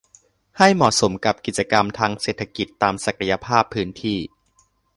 ให้เหมาะสมกับกิจกรรมทางเศรษฐกิจตามศักยภาพพื้นที่